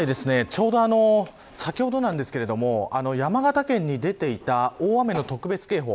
ちょうど先ほど山形県に出ていた大雨の特別警報